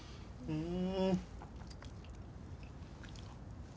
うん。